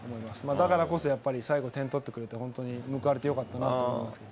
だからこそ、やっぱり最後、点取ってくれて、本当に報われてよかったなと思いますけど。